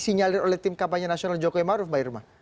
disinyalir oleh tim kampanye nasional jokowi maruf mbak irma